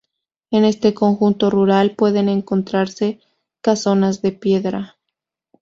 En este conjunto rural pueden encontrarse casonas de piedra.